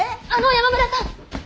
あの山村さん！